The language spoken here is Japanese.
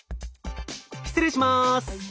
失礼します！